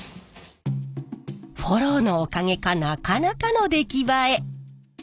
フォローのおかげかなかなかの出来栄え。